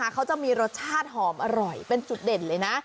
เขาจะมีรสชาติหอมอร่อยเป็นจุดเด่นเลยนะ